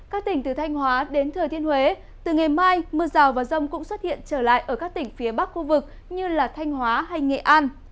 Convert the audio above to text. các tỉnh từ thanh hóa đến thừa thiên huế từ ngày mai mưa rào và rông cũng xuất hiện trở lại ở các tỉnh phía bắc khu vực như thanh hóa hay nghệ an